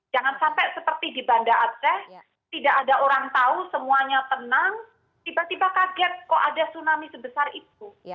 jangan sampai seperti di banda aceh tidak ada orang tahu semuanya tenang tiba tiba kaget kok ada tsunami sebesar itu